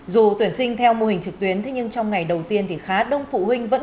dù tuyển sinh theo mô hình trực tuyến thế nhưng trong ngày đầu tiên thì khá đông phụ huynh vẫn